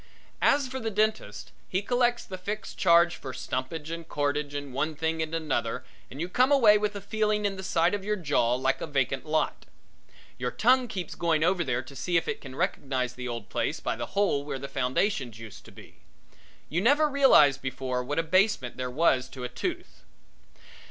As for the dentist, he collects the fixed charge for stumpage and corkage and one thing and another and you come away with a feeling in the side of your jaw like a vacant lot. Your tongue keeps going over there to see if it can recognize the old place by the hole where the foundations used to be. You never realized before what a basement there was to a tooth.